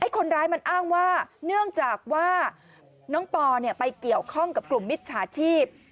คนร้ายมันอ้างว่าเนื่องจากว่าน้องปอไปเกี่ยวข้องกับกลุ่มมิจฉาชีพ